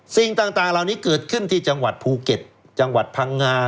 สิ่งต่างเหล่านี้เกิดขึ้นที่จังหวัดภูเก็ตจังหวัดพังงา